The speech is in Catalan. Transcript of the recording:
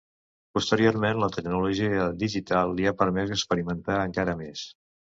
Posteriorment, la tecnologia digital li ha permès experimentar encara més.